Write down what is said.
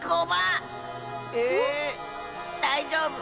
えっ⁉だいじょうぶ。